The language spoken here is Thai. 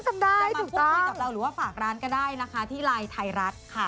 จะมาพูดคุยกับเราหรือว่าฝากร้านก็ได้นะคะที่ไลน์ไทยรัฐค่ะ